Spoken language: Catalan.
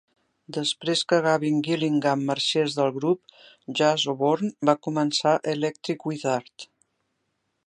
Després que Gavin Gillingham marxés del grup, Jus Oborn va començar Electric Wizard.